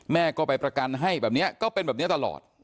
แม่ก็ไปประกันให้แบบนี้ก็เป็นแบบนี้ตลอด